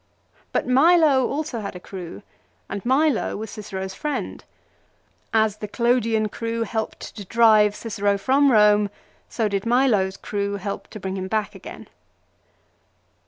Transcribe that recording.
But Milo also had a crew, and Milo was Cicero's friend. As the Clodian crew 8 LIFE OF CICERO. helped to drive Cicero from Eome, so did Milo's crew help to bring him back again.